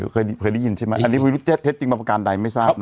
เคยได้ยินใช่ไหมอันนี้ไม่รู้เท็จจริงบางประการใดไม่ทราบ